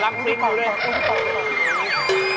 อ๋อลักษณ์ดินดูเลย